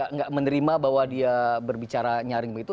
tidak menerima bahwa dia berbicara nyaring begitu